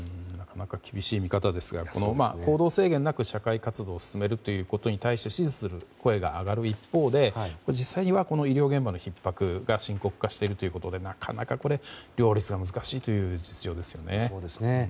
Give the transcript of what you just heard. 厳しい見方ですが行動制限なく社会活動を続けるということについて支持する声が上がる一方で実際は、医療現場のひっ迫が深刻化しているということでなかなか両立が難しいという実情ですよね。